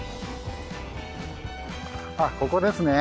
あっここですね。